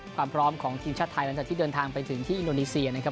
ความพร้อมของทีมชาติไทยหลังจากที่เดินทางไปถึงที่อินโดนีเซียนะครับ